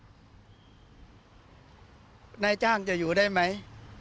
นายจ้างจะอยู่ได้ไหม